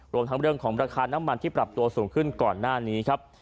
รวมทั้งเรื่องของราคาน้ำมันที่ปรับตัวสูงขึ้นก่อนหน้านี้ครับ